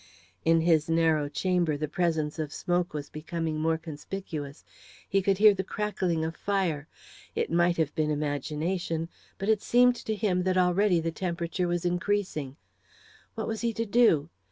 In his narrow chamber the presence of smoke was becoming more conspicuous. He could hear the crackling of fire. It might have been imagination, but it seemed to him that already the temperature was increasing. What was he to do?